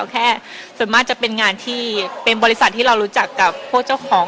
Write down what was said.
แค่ส่วนมากจะเป็นงานที่เป็นบริษัทที่เรารู้จักกับพวกเจ้าของ